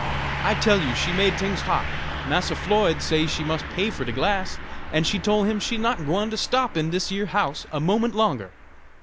I tell you she made tings hot. Massa Floyd say she must pay for de glass, and she tole him she's not gwine to stop in dis yer house a moment longer.